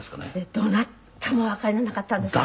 どなたもわからなかったんですって？